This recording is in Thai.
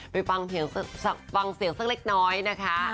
ไปฟังเสียงสักเล็กน้อยนะคะ